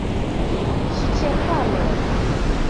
Ŝĉelkalov!